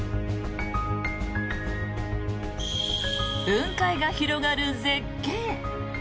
雲海が広がる絶景。